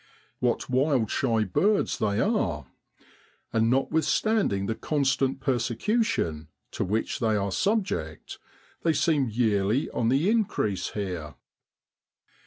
What wild shy birds they are ! And notwithstanding the constant persecution to which they are subject, they seem yearly on the increase here.